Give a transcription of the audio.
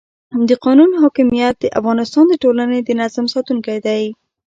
د قانون حاکمیت د افغانستان د ټولنې د نظم ساتونکی دی